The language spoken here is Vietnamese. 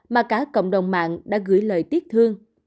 mà cả cộng đồng mạng đã gửi lời tiếc thương